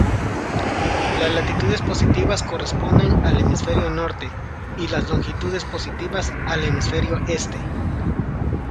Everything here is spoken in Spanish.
Las latitudes positivas corresponden al hemisferio norte, y las longitudes positivas al hemisferio Este.